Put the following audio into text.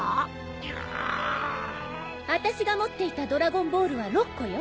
ぐぅ！あたしが持っていたドラゴンボールは６個よ。